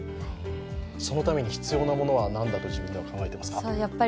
そのために必要なものはなんだと自分では考えていますか？